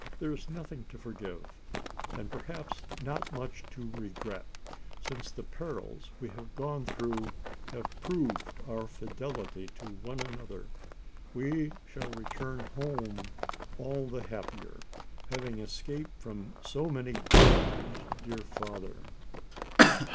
There is nothing to forgive; and perhaps not much to regret: since the perils we have gone through, have proved our fidelity to one another. We shall return home all the happier, having escaped from so many dangers, dear father!"